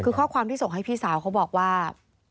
คือข้อความที่ส่งให้พี่สาวเขาบอกว่า